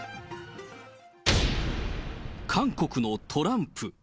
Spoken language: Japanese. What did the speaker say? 韓国のトランプ。